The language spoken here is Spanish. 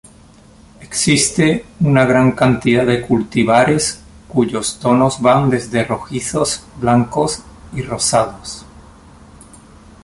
Existe una gran cantidad de cultivares cuyos tonos van desde rojizos, blancos y rosados.